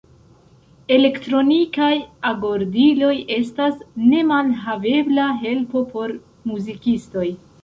Elektronikaj agordiloj estas nemalhavebla helpo por muzikistoj.